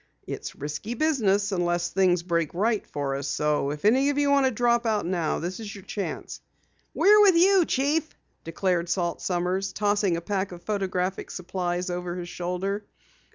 It's risky business unless things break right for us, so if any of you want to drop out now, this is your chance." "We're with you, chief!" declared Salt Sommers, tossing a pack of photographic supplies over his shoulder.